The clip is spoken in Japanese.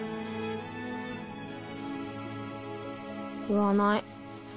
言わない。